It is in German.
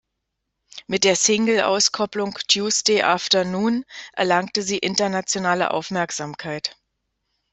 Mit der Singleauskopplung "Tuesday Afternoon" erlangte sie internationale Aufmerksamkeit.